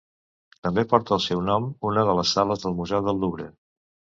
També porta el seu nom una de les sales del Museu del Louvre.